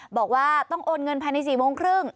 บอกว่าต้องโอนเงินภายใน๔โมงครึ่ง